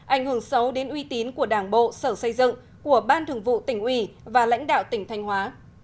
ảnh hưởng xấu đến uy tín của đảng bộ sở xây dựng của ban thường vụ tỉnh ủy và lãnh đạo tỉnh thanh hóa